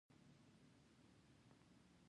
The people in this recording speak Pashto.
د خبرو پر وخت د سترګو اړیکه وساتئ